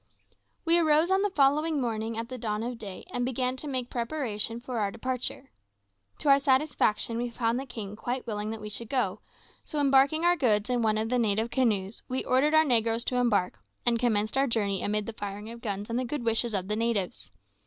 We arose on the following morning with the dawn of day, and began to make preparation for our departure. To our satisfaction we found the king quite willing that we should go; so embarking our goods in one of the native canoes, we ordered our negroes to embark, and commenced our journey amid the firing of guns and the good wishes of the natives.